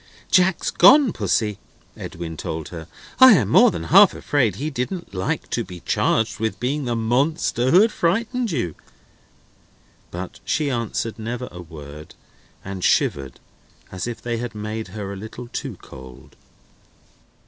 "Jack's gone, Pussy," Edwin told her. "I am more than half afraid he didn't like to be charged with being the Monster who had frightened you." But she answered never a word, and shivered, as if they had made her a little too cold.